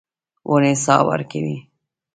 ونې سا ورکوي.